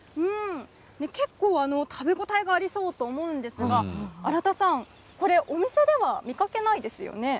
結構食べ応えがありそうと思うんですが、荒田さん、これ、お店では見かけないですよね。